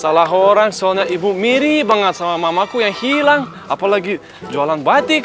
salah orang soalnya ibu miri banget sama mamaku yang hilang apalagi jualan batik